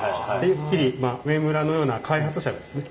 日々梅村のような開発者がですね